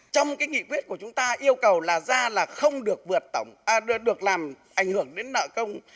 trong cái nghị quyết của chúng ta yêu cầu là ra là không được vượt tổng được làm ảnh hưởng đến nợ công